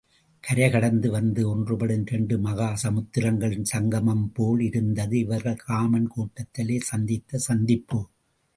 கரை கடந்து வந்த ஒன்றுபடும் இரண்டு மகா சமுத்திரங்களின் சங்கமம்போல் இருந்தது இவர்கள் காமன் கோட்டத்திலே சந்தித்த சந்திப்பு.